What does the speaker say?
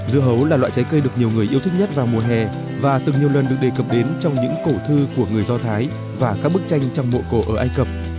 dưa hấu là loại trái cây được nhiều người yêu thích nhất vào mùa hè và từng nhiều lần được đề cập đến trong những cổ thư của người do thái và các bức tranh trong mộ cổ ở ai cập